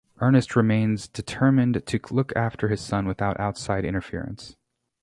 Ernest remains determined to look after his son without outside interference.